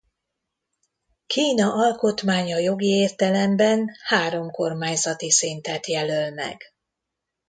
Kína alkotmánya jogi értelemben három kormányzati szintet jelöl meg.